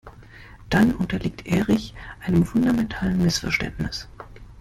Dann unterliegt Erich einem fundamentalen Missverständnis.